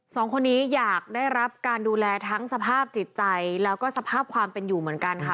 สองคนนี้อยากได้รับการดูแลทั้งสภาพจิตใจแล้วก็สภาพความเป็นอยู่เหมือนกันค่ะ